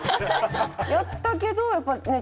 やったけどやっぱりね